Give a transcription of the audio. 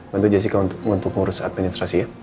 bantu jessica untuk ngurus administrasi ya